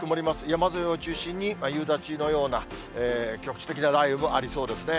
山沿いを中心に、夕立のような局地的な雷雨もありそうですね。